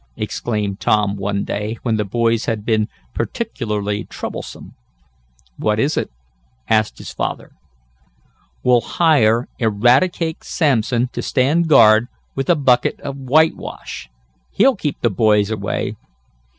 exclaimed Tom one day when the boys had been particularly troublesome. "What is it?" asked his father. "We'll hire Eradicate Sampson to stand guard with a bucket of whitewash. He'll keep the boys away."